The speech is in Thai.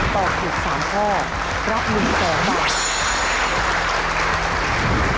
ตอบถูก๓ข้อรับ๑๐๐๐๐บาท